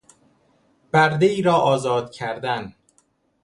بردهای را آزاد کردن